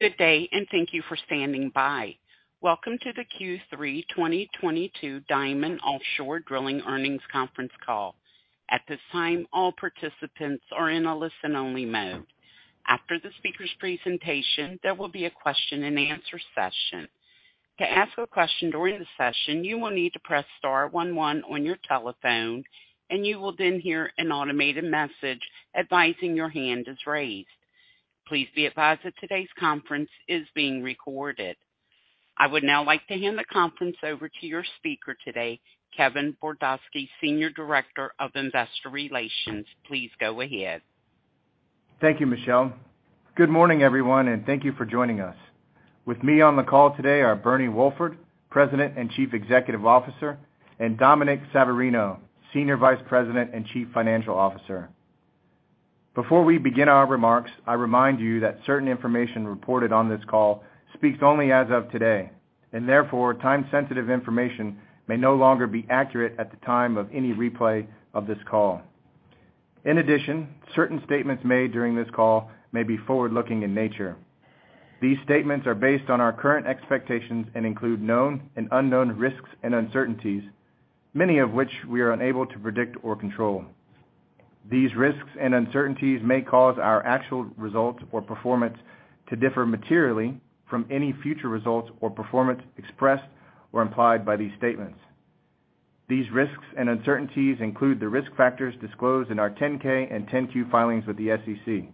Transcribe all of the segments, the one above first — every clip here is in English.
Good day. Thank you for standing by. Welcome to the Q3 2022 Diamond Offshore Drilling earnings conference call. At this time, all participants are in a listen-only mode. After the speaker's presentation, there will be a question-and-answer session. To ask a question during the session, you will need to press star 11 on your telephone. You will then hear an automated message advising your hand is raised. Please be advised that today's conference is being recorded. I would now like to hand the conference over to your speaker today, Kevin Bordosky, Senior Director of Investor Relations. Please go ahead. Thank you, Michelle. Good morning, everyone. Thank you for joining us. With me on the call today are Bernie Wolford, President and Chief Executive Officer. Dominic Savarino, Senior Vice President and Chief Financial Officer. Before we begin our remarks, I remind you that certain information reported on this call speaks only as of today. Therefore, time-sensitive information may no longer be accurate at the time of any replay of this call. In addition, certain statements made during this call may be forward-looking in nature. These statements are based on our current expectations and include known and unknown risks and uncertainties, many of which we are unable to predict or control. These risks and uncertainties may cause our actual results or performance to differ materially from any future results or performance expressed or implied by these statements. These risks and uncertainties include the risk factors disclosed in our 10-K and 10-Q filings with the SEC.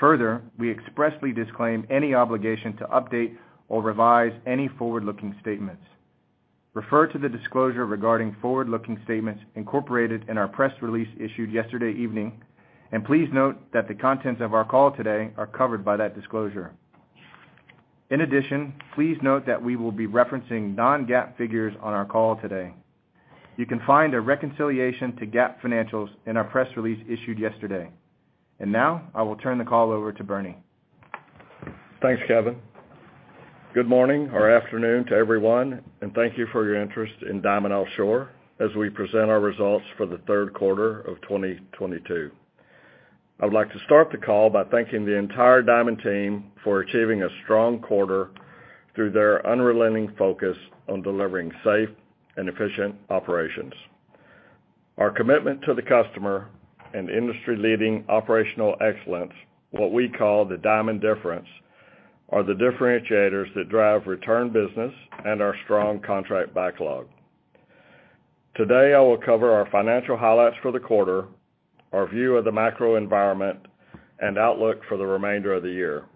Further, we expressly disclaim any obligation to update or revise any forward-looking statements. Refer to the disclosure regarding forward-looking statements incorporated in our press release issued yesterday evening. Please note that the contents of our call today are covered by that disclosure. In addition, please note that we will be referencing non-GAAP figures on our call today. You can find a reconciliation to GAAP financials in our press release issued yesterday. Now I will turn the call over to Bernie. Thanks, Kevin. Good morning or afternoon to everyone. Thank you for your interest in Diamond Offshore as we present our results for the third quarter of 2022. I would like to start the call by thanking the entire Diamond team for achieving a strong quarter through their unrelenting focus on delivering safe and efficient operations. Our commitment to the customer and industry-leading operational excellence, what we call the Diamond difference, are the differentiators that drive return business and our strong contract backlog. Today I will cover our financial highlights for the quarter, our view of the macro environment. Outlook for the remainder of the year.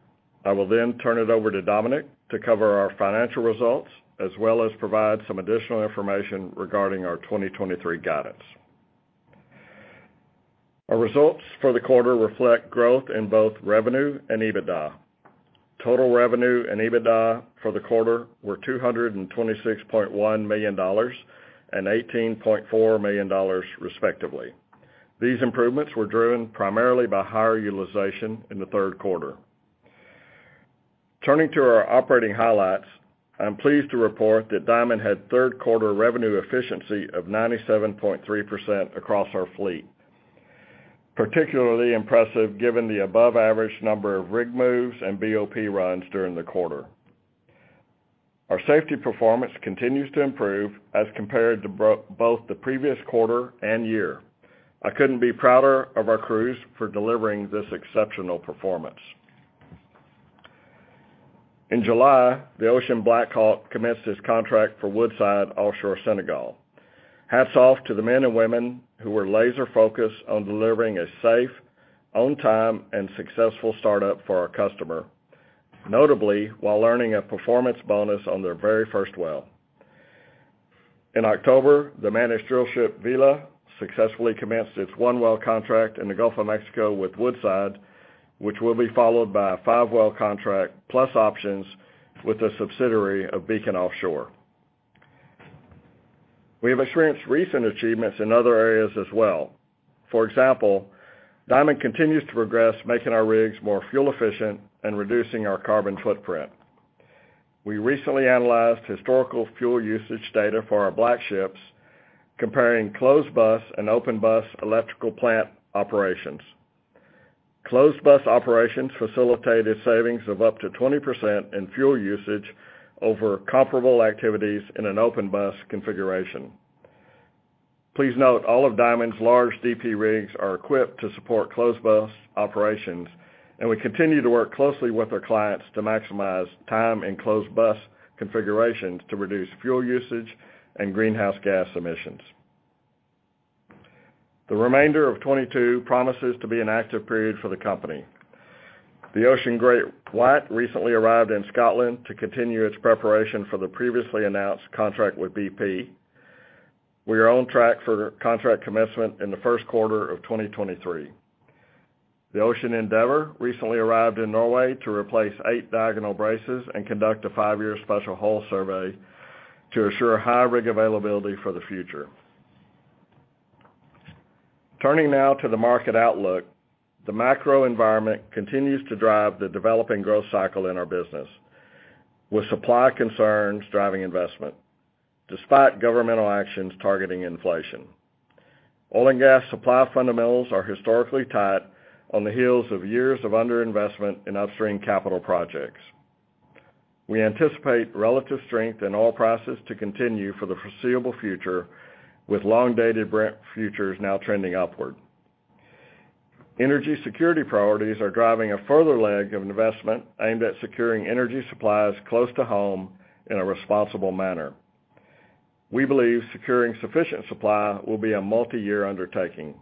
I will then turn it over to Dominic to cover our financial results as well as provide some additional information regarding our 2023 guidance. Our results for the quarter reflect growth in both revenue and EBITDA. Total revenue and EBITDA for the quarter were $226.1 million and $18.4 million, respectively. These improvements were driven primarily by higher utilization in the third quarter. Turning to our operating highlights, I'm pleased to report that Diamond had third-quarter revenue efficiency of 97.3% across our fleet, particularly impressive given the above-average number of rig moves and BOP runs during the quarter. Our safety performance continues to improve as compared to both the previous quarter and year. I couldn't be prouder of our crews for delivering this exceptional performance. In July, the Ocean BlackHawk commenced its contract for Woodside Offshore Senegal. Hats off to the men and women who were laser-focused on delivering a safe, on-time, and successful startup for our customer, notably while earning a performance bonus on their very first well. In October, the Managed Drillship Vela successfully commenced its one well contract in the Gulf of Mexico with Woodside, which will be followed by a five well contract plus options with a subsidiary of Beacon Offshore. We have experienced recent achievements in other areas as well. For example, Diamond continues to progress, making our rigs more fuel-efficient and reducing our carbon footprint. We recently analyzed historical fuel usage data for our Blackships, comparing closed-bus and open-bus electrical plant operations. Closed-bus operations facilitated savings of up to 20% in fuel usage over comparable activities in an open-bus configuration. Please note all of Diamond's large DP rigs are equipped to support closed-bus operations, and we continue to work closely with our clients to maximize time in closed-bus configurations to reduce fuel usage and greenhouse gas emissions. The remainder of 2022 promises to be an active period for the company. The Ocean GreatWhite recently arrived in Scotland to continue its preparation for the previously announced contract with BP. We are on track for contract commencement in the first quarter of 2023. The Ocean Endeavor recently arrived in Norway to replace eight diagonal braces and conduct a five-year special periodic survey to assure high rig availability for the future. Turning now to the market outlook, the macro environment continues to drive the developing growth cycle in our business, with supply concerns driving investment despite governmental actions targeting inflation. Oil and gas supply fundamentals are historically tight on the heels of years of underinvestment in upstream capital projects. We anticipate relative strength in oil prices to continue for the foreseeable future, with long-dated futures now trending upward. Energy security priorities are driving a further leg of investment aimed at securing energy supplies close to home in a responsible manner. We believe securing sufficient supply will be a multi-year undertaking.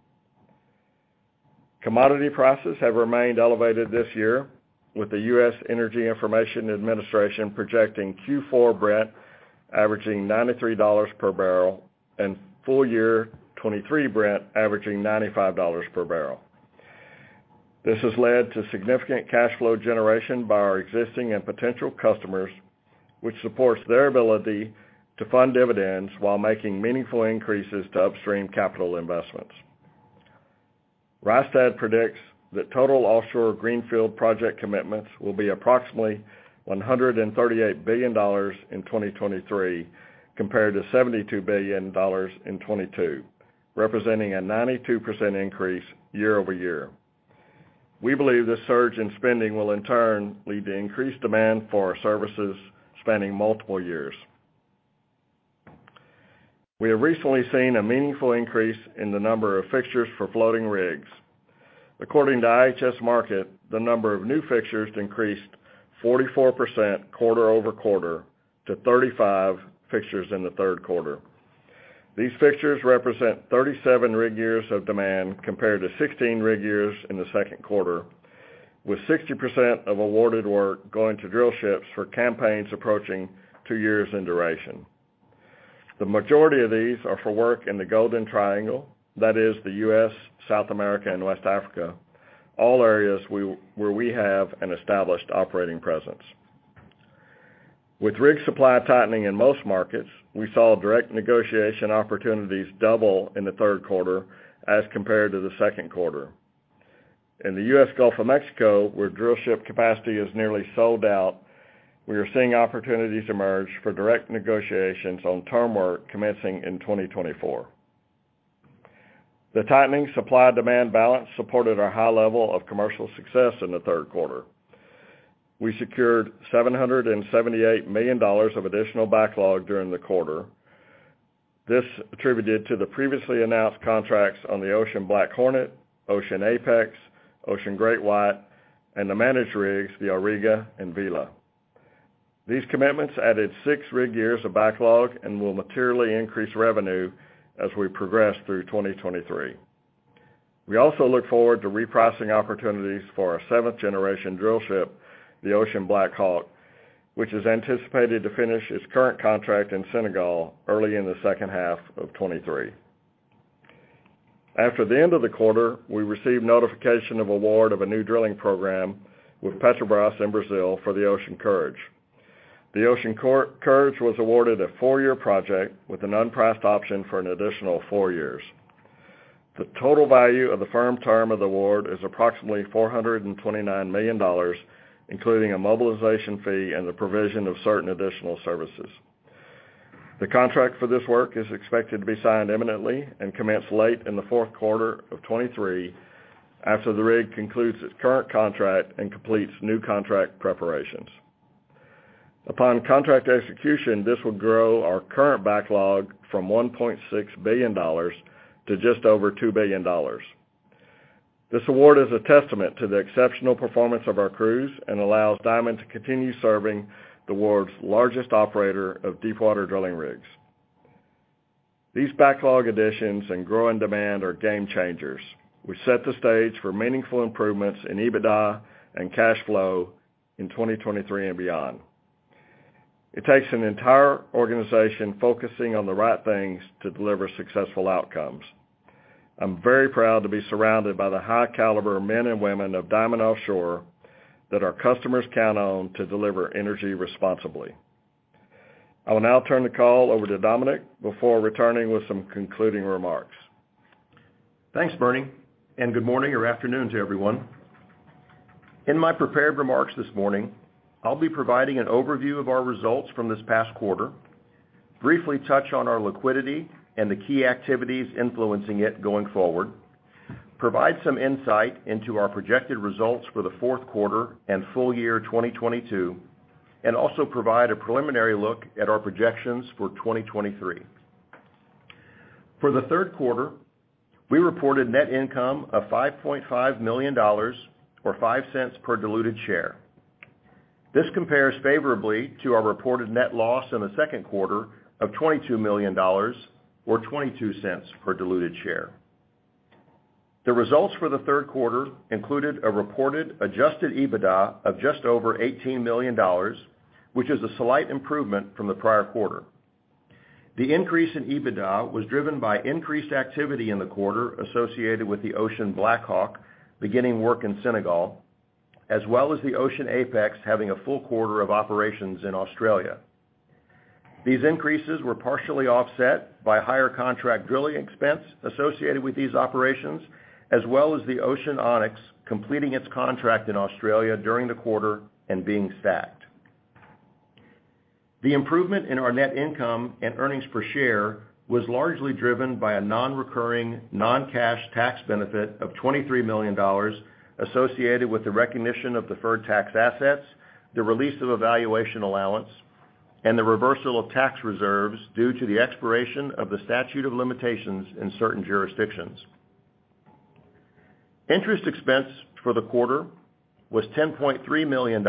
Commodity prices have remained elevated this year, with the U.S. Energy Information Administration projecting Q4 Brent averaging $93 per barrel and full-year 2023 Brent averaging $95 per barrel. This has led to significant cash flow generation by our existing and potential customers, which supports their ability to fund dividends while making meaningful increases to upstream capital investments. Rystad predicts that total offshore greenfield project commitments will be approximately $138 billion in 2023 compared to $72 billion in 2022, representing a 92% increase year-over-year. We believe this surge in spending will, in turn, lead to increased demand for our services spanning multiple years. We have recently seen a meaningful increase in the number of fixtures for floating rigs. According to IHS Markit, the number of new fixtures increased 44% quarter-over-quarter to 35 fixtures in the third quarter. These fixtures represent 37 rig years of demand compared to 16 rig years in the second quarter, with 60% of awarded work going to drillships for campaigns approaching two years in duration. The majority of these are for work in the Golden Triangle, that is, the U.S., South America, and West Africa, all areas where we have an established operating presence. With rig supply tightening in most markets, we saw direct negotiation opportunities double in the third quarter as compared to the second quarter. In the U.S. Gulf of Mexico, where drillship capacity is nearly sold out, we are seeing opportunities emerge for direct negotiations on term work commencing in 2024. The tightening supply-demand balance supported our high level of commercial success in the third quarter. We secured $778 million of additional backlog during the quarter. This attributed to the previously announced contracts on the Ocean BlackHornet, Ocean Apex, Ocean GreatWhite, and the managed rigs, the Auriga and Vela. These commitments added six rig years of backlog and will materially increase revenue as we progress through 2023. We also look forward to repricing opportunities for our seventh-generation drillship, the Ocean BlackHawk, which is anticipated to finish its current contract in Senegal early in the second half of 2023. After the end of the quarter, we received notification of award of a new drilling program with Petrobras in Brazil for the Ocean Courage. The Ocean Courage was awarded a four-year project with an unpriced option for an additional four years. The total value of the firm term of the award is approximately $429 million, including a mobilization fee and the provision of certain additional services. The contract for this work is expected to be signed imminently and commenced late in the fourth quarter of 2023 after the rig concludes its current contract and completes new contract preparations. Upon contract execution, this would grow our current backlog from $1.6 billion to just over $2 billion. This award is a testament to the exceptional performance of our crews and allows Diamond to continue serving the world's largest operator of deep-water drilling rigs. These backlog additions and growing demand are game-changers, which set the stage for meaningful improvements in EBITDA and cash flow in 2023 and beyond. It takes an entire organization focusing on the right things to deliver successful outcomes. I am very proud to be surrounded by the high-caliber men and women of Diamond Offshore that our customers count on to deliver energy responsibly. I will now turn the call over to Dominic before returning with some concluding remarks. Thanks, Bernie. Good morning or afternoon to everyone. In my prepared remarks this morning, I'll be providing an overview of our results from this past quarter, briefly touch on our liquidity and the key activities influencing it going forward, provide some insight into our projected results for the fourth quarter and full year 2022, and also provide a preliminary look at our projections for 2023. For the third quarter, we reported net income of $5.5 million or $0.05 per diluted share. This compares favorably to our reported net loss in the second quarter of $22 million or $0.22 per diluted share. The results for the third quarter included a reported adjusted EBITDA of just over $18 million, which is a slight improvement from the prior quarter. The increase in EBITDA was driven by increased activity in the quarter associated with the Ocean BlackHawk beginning work in Senegal, as well as the Ocean Apex having a full quarter of operations in Australia. These increases were partially offset by higher contract drilling expense associated with these operations, as well as the Ocean Onyx completing its contract in Australia during the quarter and being stacked. The improvement in our net income and earnings per share was largely driven by a non-recurring, non-cash tax benefit of $23 million associated with the recognition of deferred tax assets, the release of valuation allowance, and the reversal of tax reserves due to the expiration of the statute of limitations in certain jurisdictions. Interest expense for the quarter was $10.3 million.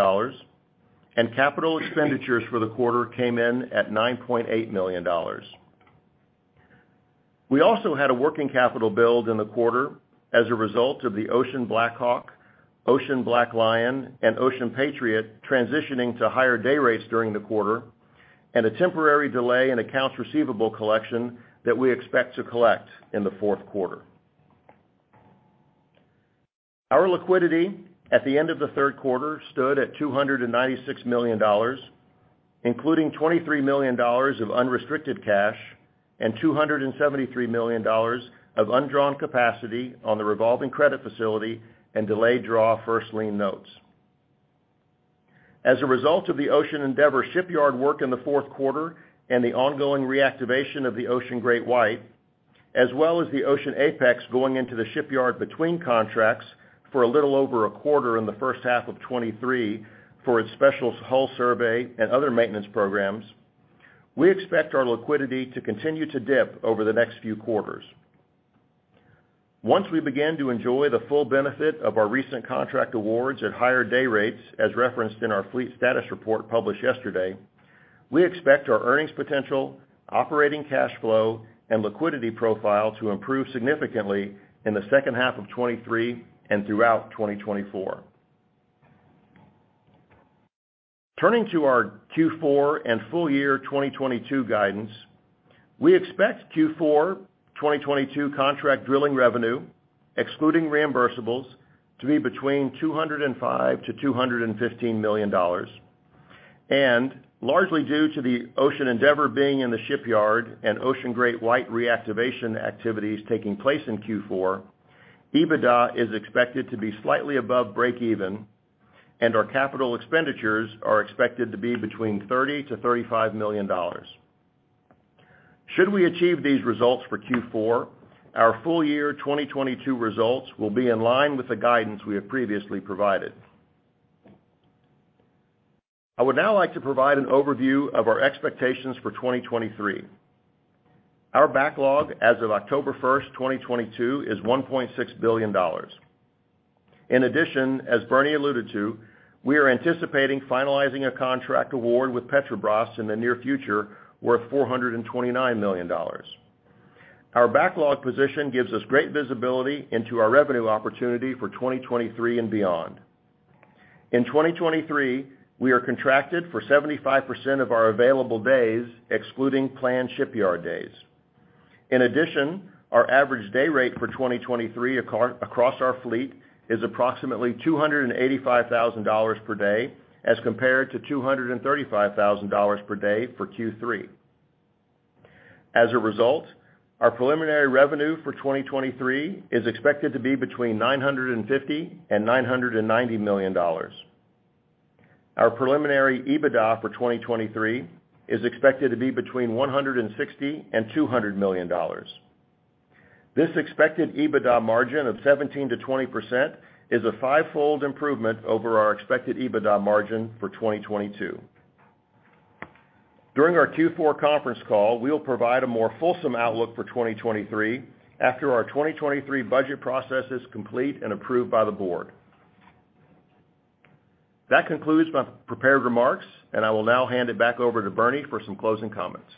Capital expenditures for the quarter came in at $9.8 million. We also had a working capital build in the quarter as a result of the Ocean BlackHawk, Ocean BlackLion, and Ocean Patriot transitioning to higher day rates during the quarter and a temporary delay in accounts receivable collection that we expect to collect in the fourth quarter. Our liquidity at the end of the third quarter stood at $296 million, including $23 million of unrestricted cash and $273 million of undrawn capacity on the revolving credit facility and delayed draw first lien notes. As a result of the Ocean Endeavor shipyard work in the fourth quarter and the ongoing reactivation of the Ocean GreatWhite, as well as the Ocean Apex going into the shipyard between contracts for a little over a quarter in the first half of 2023 for its special periodic survey and other maintenance programs, we expect our liquidity to continue to dip over the next few quarters. Once we begin to enjoy the full benefit of our recent contract awards at higher day rates as referenced in our fleet status report published yesterday, we expect our earnings potential, operating cash flow, and liquidity profile to improve significantly in the second half of 2023 and throughout 2024. Turning to our Q4 and full year 2022 guidance, we expect Q4 2022 contract drilling revenue, excluding reimbursables, to be between $205 million-$215 million. Largely due to the Ocean Endeavor being in the shipyard and Ocean GreatWhite reactivation activities taking place in Q4, EBITDA is expected to be slightly above break-even, and our capital expenditures are expected to be between $30 million-$35 million. Should we achieve these results for Q4, our full year 2022 results will be in line with the guidance we have previously provided. I would now like to provide an overview of our expectations for 2023. Our backlog as of October 1, 2022, is $1.6 billion. In addition, as Bernie alluded to, we are anticipating finalizing a contract award with Petrobras in the near future worth $429 million. Our backlog position gives us great visibility into our revenue opportunity for 2023 and beyond. In 2023, we are contracted for 75% of our available days, excluding planned shipyard days. In addition, our average day rate for 2023 across our fleet is approximately $285,000 per day as compared to $235,000 per day for Q3. As a result, our preliminary revenue for 2023 is expected to be between $950 million and $990 million. Our preliminary EBITDA for 2023 is expected to be between $160 million and $200 million. This expected EBITDA margin of 17%-20% is a five-fold improvement over our expected EBITDA margin for 2022. During our Q4 conference call, we will provide a more fulsome outlook for 2023 after our 2023 budget process is complete and approved by the board. That concludes my prepared remarks, and I will now hand it back over to Bernie for some closing comments.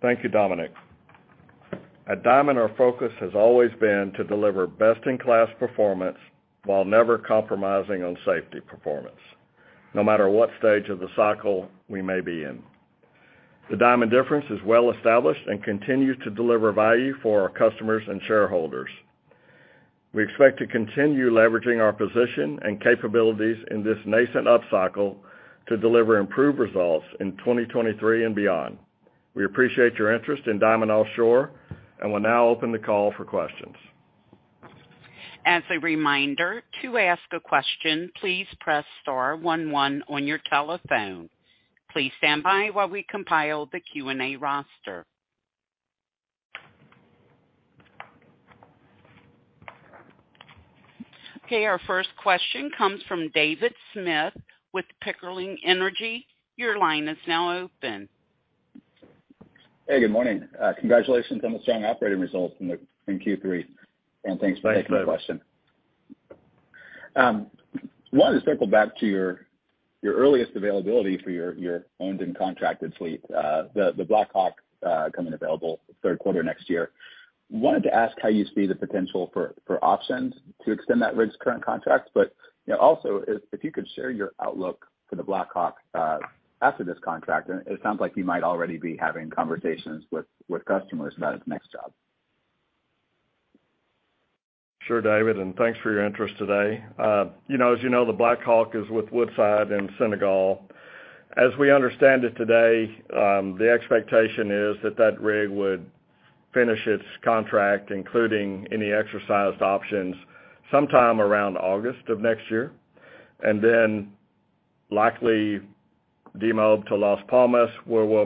Thank you, Dominic. At Diamond, our focus has always been to deliver best-in-class performance while never compromising on safety performance, no matter what stage of the cycle we may be in. The Diamond difference is well established and continues to deliver value for our customers and shareholders. We expect to continue leveraging our position and capabilities in this nascent upcycle to deliver improved results in 2023 and beyond. We appreciate your interest in Diamond Offshore and will now open the call for questions. As a reminder, to ask a question, please press star 11 on your telephone. Please stand by while we compile the Q&A roster. Okay, our first question comes from David Smith with Pickering Energy. Your line is now open. Hey, good morning. Congratulations on the strong operating results in Q3, and thanks for taking the question. I wanted to circle back to your earliest availability for your owned and contracted fleet, the Ocean BlackHawk coming available third quarter next year. Wanted to ask how you see the potential for options to extend that rig's current contract, but also if you could share your outlook for the Ocean BlackHawk after this contract. It sounds like you might already be having conversations with customers about its next job. Sure, David, thanks for your interest today. As you know, the Ocean BlackHawk is with Woodside in Senegal. As we understand it today, the expectation is that that rig would finish its contract, including any exercised options, sometime around August of next year, then likely demob to Las Palmas, where we'll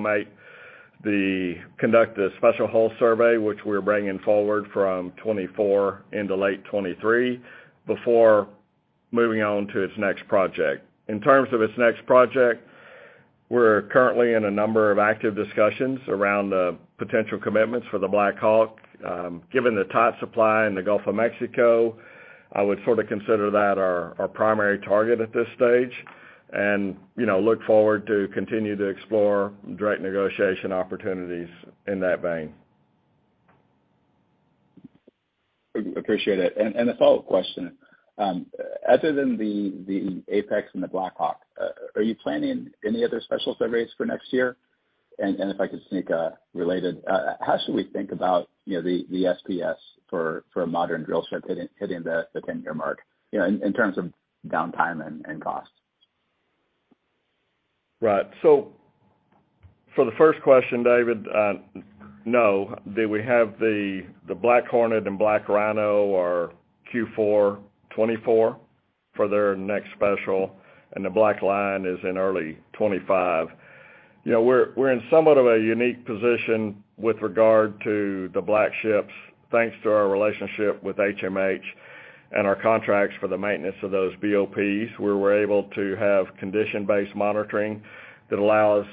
conduct the special periodic survey, which we're bringing forward from 2024 into late 2023 before moving on to its next project. In terms of its next project, we're currently in a number of active discussions around the potential commitments for the Ocean BlackHawk. Given the tight supply in the Gulf of Mexico, I would sort of consider that our primary target at this stage and look forward to continue to explore direct negotiation opportunities in that vein. Appreciate it. A follow-up question. Other than the Ocean Apex and the Ocean BlackHawk, are you planning any other special surveys for next year? If I could sneak a related, how should we think about the SPS for a modern drillship hitting the 10-year mark in terms of downtime and cost? Right. For the first question, David, no. Do we have the Ocean BlackHornet and Ocean BlackRhino or Q4 2024 for their next special, and the Ocean BlackLion is in early 2025? We're in somewhat of a unique position with regard to the Blackships thanks to our relationship with HMH and our contracts for the maintenance of those BOPs, where we're able to have condition-based monitoring that allows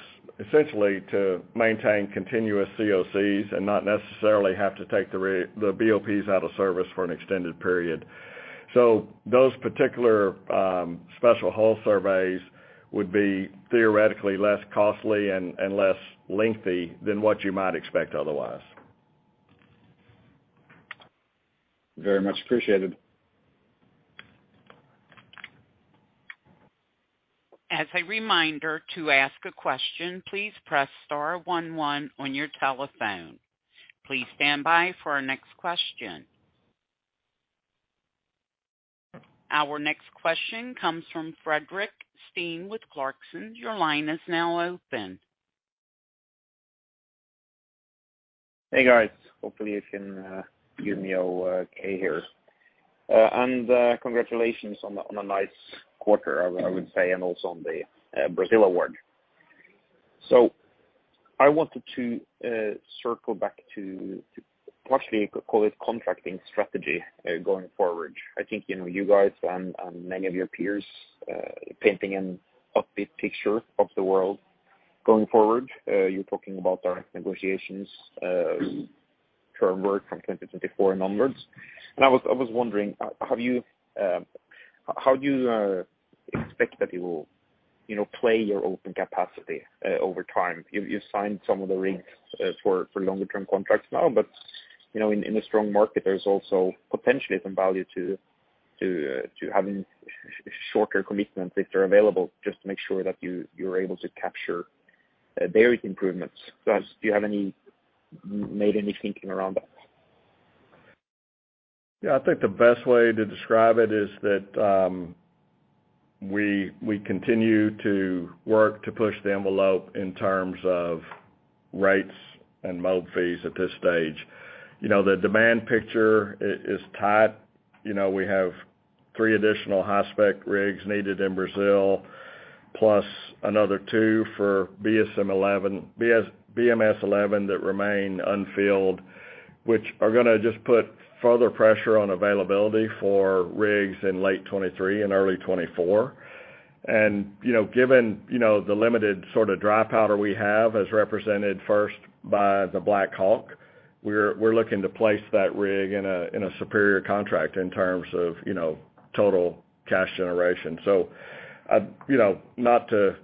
essentially to maintain continuous COCs and not necessarily have to take the BOPs out of service for an extended period. Those particular special periodic surveys would be theoretically less costly and less lengthy than what you might expect otherwise. Very much appreciated. As a reminder to ask a question, please press star 11 on your telephone. Please stand by for our next question. Our next question comes from Fredrik Stene with Clarksons. Your line is now open. Hey, guys. Hopefully, you can hear me okay here. Congratulations on a nice quarter, I would say. Also on the Brazil award. I wanted to circle back to partially call it contracting strategy going forward. I think you guys and many of your peers are painting an upbeat picture of the world going forward. You're talking about direct negotiations, firm work from 2024 and onwards. I was wondering, how do you expect that you will play your open capacity over time? You've signed some of the rigs for longer-term contracts now, but in a strong market, there's also potentially some value to having shorter commitments if they're available just to make sure that you're able to capture daily improvements. Do you have made any thinking around that? I think the best way to describe it is that we continue to work to push the envelope in terms of rates and mob fees at this stage. The demand picture is tight. We have three additional high-spec rigs needed in Brazil, plus another two for BM-S-11 that remain unfilled, which are going to just put further pressure on availability for rigs in late 2023 and early 2024. Given the limited sort of dry powder we have, as represented first by the Ocean BlackHawk, we're looking to place that rig in a superior contract in terms of total cash generation. Not to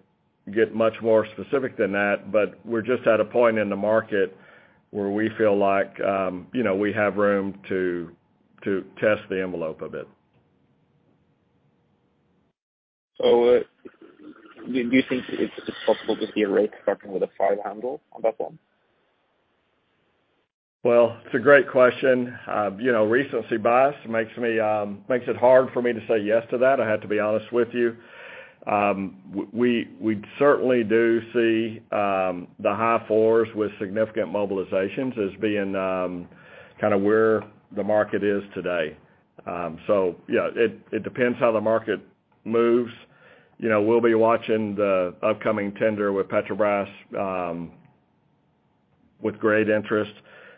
get much more specific than that, but we're just at a point in the market where we feel like we have room to test the envelope a bit. Do you think it's possible to see a rate starting with a 5 handle on that one? Well, it's a great question. Recency bias makes it hard for me to say yes to that, I have to be honest with you. We certainly do see the high fours with significant mobilizations as being kind of where the market is today. Yeah, it depends how the market moves. We'll be watching the upcoming tender with Petrobras with great interest.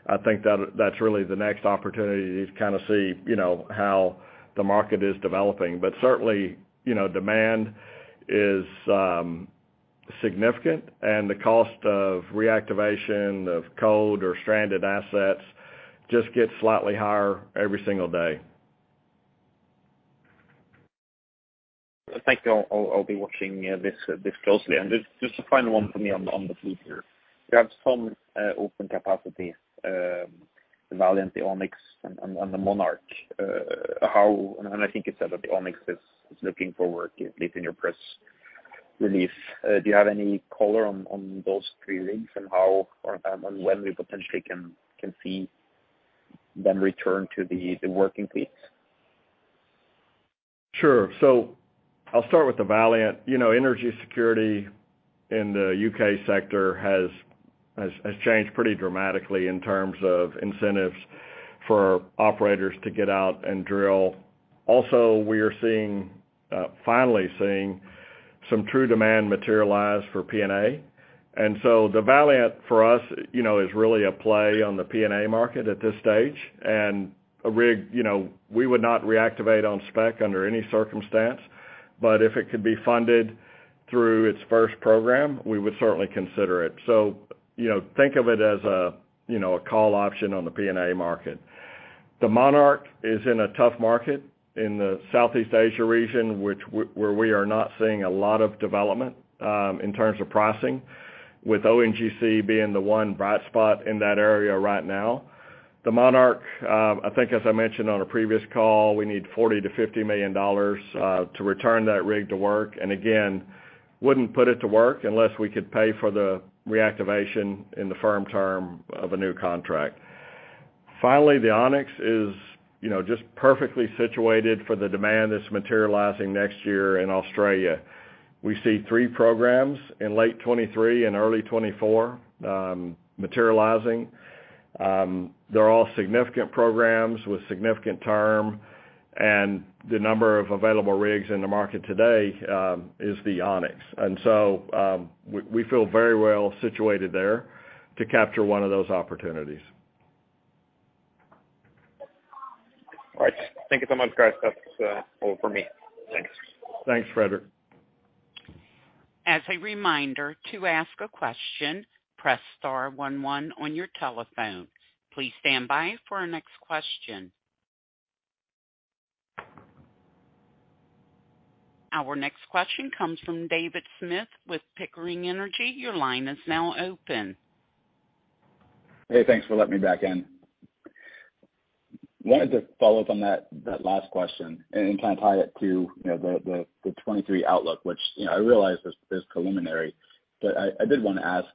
I think that's really the next opportunity to kind of see how the market is developing. Certainly, demand is significant, and the cost of reactivation of cold or stranded assets just gets slightly higher every single day. Thank you. I'll be watching this closely. Just a final one from me on the fleet here. You have some open capacity, the Valiant, the Onyx, and the Monarch. I think you said that the Onyx is looking for work, at least in your press release. Do you have any color on those three rigs and when we potentially can see them return to the working fleets? Sure. I'll start with the Valiant. Energy security in the U.K. sector has changed pretty dramatically in terms of incentives for operators to get out and drill. Also, we are finally seeing some true demand materialize for P&A. The Valiant, for us, is really a play on the P&A market at this stage. A rig we would not reactivate on spec under any circumstance, but if it could be funded through its first program, we would certainly consider it. Think of it as a call option on the P&A market. The Monarch is in a tough market in the Southeast Asia region, where we are not seeing a lot of development in terms of pricing, with ONGC being the one bright spot in that area right now. The Monarch, I think, as I mentioned on a previous call, we need $40 million-$50 million to return that rig to work. Again, wouldn't put it to work unless we could pay for the reactivation in the firm term of a new contract. Finally, the Onyx is just perfectly situated for the demand that's materializing next year in Australia. We see three programs in late 2023 and early 2024 materializing. They're all significant programs with significant term, and the number of available rigs in the market today is the Onyx. So we feel very well situated there to capture one of those opportunities. All right. Thank you so much, guys. That's all from me. Thanks. Thanks, Fredrik. As a reminder to ask a question, press star 11 on your telephone. Please stand by for our next question. Our next question comes from David Smith with Pickering Energy. Your line is now open. Hey, thanks for letting me back in. Wanted to follow up on that last question and kind of tie it to the 2023 outlook, which I realize is preliminary, but I did want to ask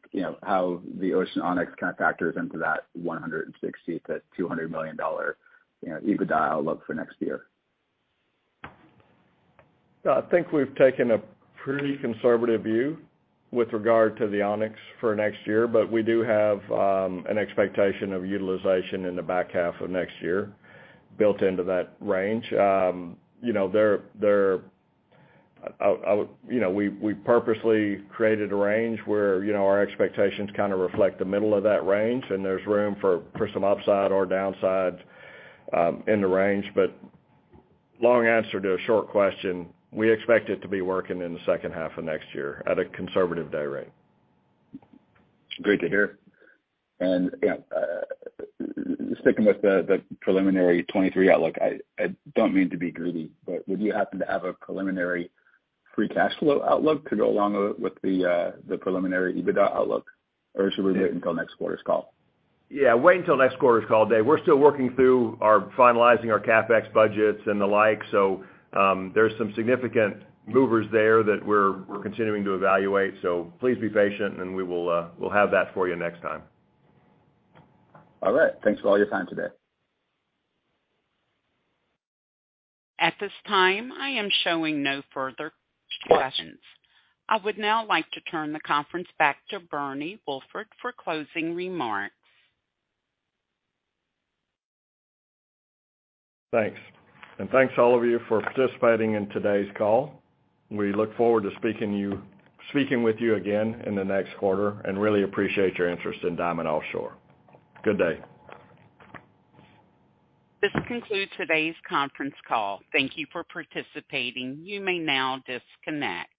how the Ocean Onyx kind of factors into that $160 million-$200 million EBITDA outlook for next year. I think we've taken a pretty conservative view with regard to the Onyx for next year. We do have an expectation of utilization in the back half of next year built into that range. We purposely created a range where our expectations kind of reflect the middle of that range, there's room for some upside or downside in the range. Long answer to a short question, we expect it to be working in the second half of next year at a conservative day rate. Great to hear. Yeah, sticking with the preliminary 2023 outlook, I don't mean to be greedy, would you happen to have a preliminary free cash flow outlook to go along with the preliminary EBITDA outlook, should we wait until next quarter's call? Yeah, wait until next quarter's call, Dave. We're still working through our finalizing our CapEx budgets and the like, there's some significant movers there that we're continuing to evaluate. Please be patient, we will have that for you next time. All right. Thanks for all your time today. At this time, I am showing no further questions. I would now like to turn the conference back to Bernie Wolford for closing remarks. Thanks. Thanks all of you for participating in today's call. We look forward to speaking with you again in the next quarter and really appreciate your interest in Diamond Offshore. Good day. This concludes today's conference call. Thank you for participating. You may now disconnect.